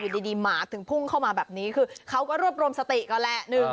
ดีหมาถึงพุ่งเข้ามาแบบนี้คือเขาก็รวบรวมสติก่อนแหละ